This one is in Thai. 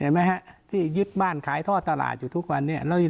ไหมฮะที่ยึดบ้านขายท่อตลาดอยู่ทุกวันนี้